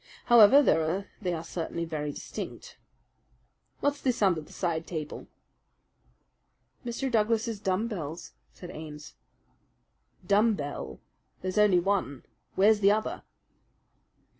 However, they are certainly very indistinct. What's this under the side table?" "Mr. Douglas's dumb bells," said Ames. "Dumb bell there's only one. Where's the other?"